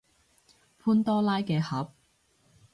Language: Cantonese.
潘多拉嘅盒